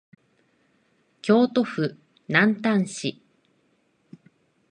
京都府南丹市